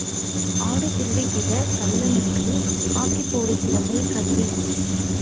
ஆடு திருடுகிற கள்ளனுக்கு ஆக்கிப் போடுகிறவள் கள்ளி.